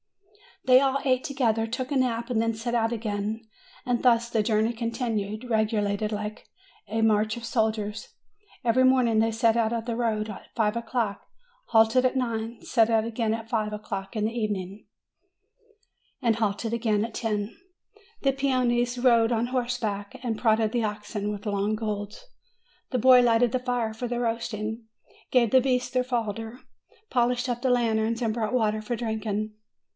They all ate together, took a nap, and then set out again; and thus the journey continued, regulated like a march of soldiers. Every morning they set out on the road at five o'clock, halted at nine, set out again at five o'clock in the even FROM APENNINES TO THE ANDES 279 ing, and halted again at ten. The peones rode on horseback, and prodded the oxen with long goads. The boy lighted the fire for the roasting, gave the beasts their fodder, polished up the lanterns, and brought water for drinking.